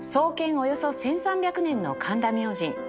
およそ１３００年の神田明神